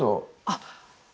あっ。